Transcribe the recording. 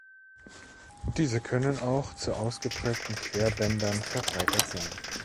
Diese können auch zu ausgeprägten Querbändern verbreitert sein.